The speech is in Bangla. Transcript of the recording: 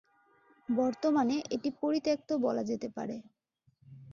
বর্তমানে, এটা পরিত্যক্ত বলা যেতে পারে।